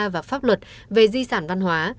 hai nghìn ba và pháp luật về di sản văn hóa